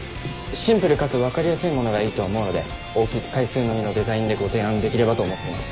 シンプルかつ分かりやすいものがいいと思うので大きく階数のみのデザインでご提案できればと思っています。